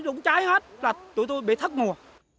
rụng trái hết là tụi tôi bị thất mùa